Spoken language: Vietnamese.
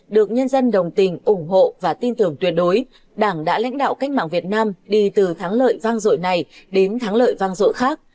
được nhân dân đồng tình ủng hộ và tin tưởng tuyệt đối đảng đã lãnh đạo cách mạng việt nam đi từ thắng lợi vang dội này đến thắng lợi vang dội khác